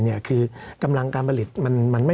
สำหรับกำลังการผลิตหน้ากากอนามัย